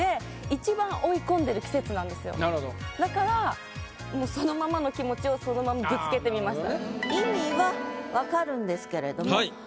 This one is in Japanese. だからもうそのままの気持ちをそのままぶつけてみました。